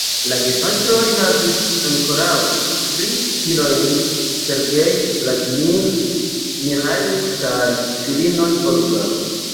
La gepatroj havis ankoraŭ tri filojn: "Sergej", "Vladimir", "Miĥail" kaj filinon "Olga".